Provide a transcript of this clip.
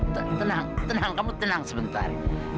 tenang tenang kamu tenang sebentar